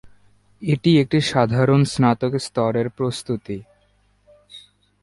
এটি একটি সাধারণ স্নাতক স্তরের প্রস্তুতি।